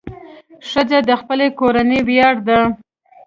ښځه د خپلې کورنۍ ویاړ ده.